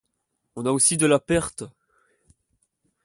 On a aussi de la perte !